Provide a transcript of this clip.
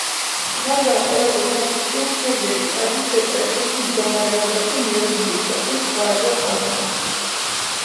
მათგან ყველაზე საშიშია მთელი ეკიპაჟის დეპრესიის მდგომარეობაში ნერვული შოკის ზღვარზე ყოფნა.